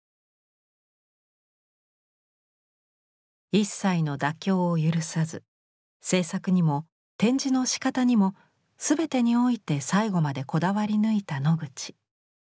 一切の妥協を許さず制作にも展示のしかたにも全てにおいて最後までこだわり抜いたノグチ。